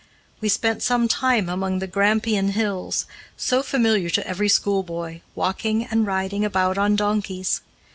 We spent some time among the Grampian Hills, so familiar to every schoolboy, walking, and riding about on donkeys.